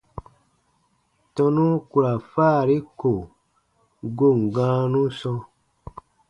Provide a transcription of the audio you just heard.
Tɔnu ku ra faari ko goon gãanun sɔ̃.